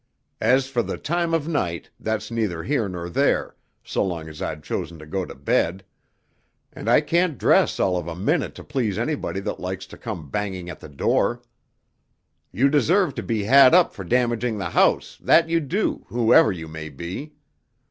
As for the time of night, that's neither here nor there, so long as I'd chosen to go to bed; and I can't dress all of a minute to please anybody that likes to come banging at the door. You deserve to be had up for damaging the house, that you do, whoever you may be."